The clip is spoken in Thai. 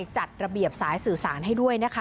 จัดระเบียบสายสื่อสารให้ด้วยนะคะ